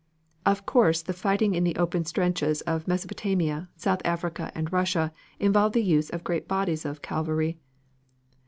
Of course the fighting in the open stretches of Mesopotamia, South Africa and Russia involved the use of great bodies of cavalry.